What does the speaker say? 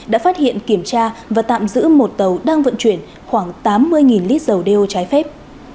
đã phát hiện kiểm tra và tạm giữ một tàu đang vận chuyển khoảng tám mươi lít dầu đeo trái phép